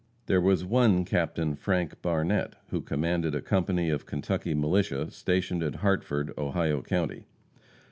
There was one Captain Frank Barnette, who commanded a company of Kentucky militia stationed at Hartford, Ohio county.